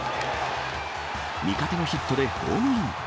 味方のヒットでホームイン。